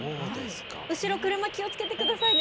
後ろ、車気をつけてください